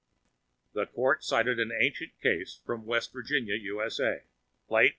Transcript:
The Court cited an ancient case from West Virginia, U.S.A. _Plate v.